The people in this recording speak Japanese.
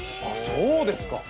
そうですか。